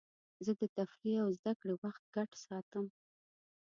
زه د تفریح او زدهکړې وخت ګډ ساتم.